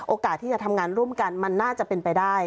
โอกาสที่จะทำงานร่วมกันมันน่าจะเป็นไปได้